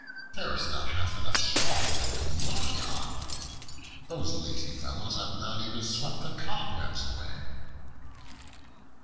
There is not half enough straw for them to lie on. Those lazy fellows have not even swept the cobwebs away."